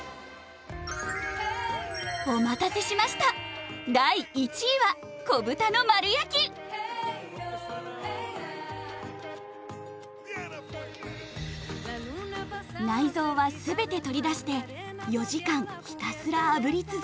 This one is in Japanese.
お待たせしました内臓は全て取り出して４時間ひたすらあぶり続けます。